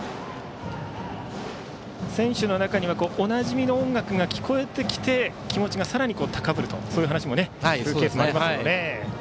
選手の中には、おなじみの音楽が聞こえてきて、気持ちがさらに高ぶるという話もありますから。